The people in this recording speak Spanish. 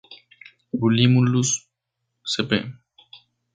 Bulimulus sp.